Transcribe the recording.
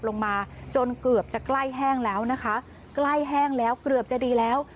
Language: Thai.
ลงมาจนเกือบจะใกล้แห้งแล้วนะคะใกล้แห้งแล้วเกือบจะดีแล้ว